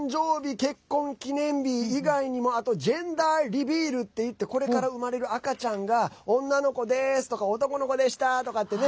結婚記念日以外にも、あとジェンダーリビールっていってこれから生まれる赤ちゃんが女の子です！とか男の子でした！とかってね